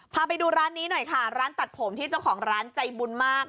พาไปดูร้านนี้หน่อยค่ะร้านตัดผมที่เจ้าของร้านใจบุญมาก